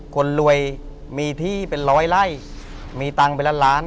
คนรวยมีที่เป็นร้อยไล่มีตังค์เป็นล้านล้าน